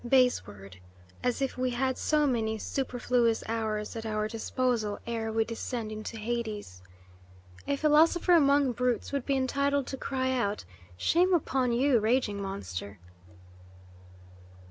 Base word! As if we had so many superfluous hours at our disposal ere we descend into Hades. A philosopher among brutes would be entitled to cry out, 'Shame upon you, raging monster!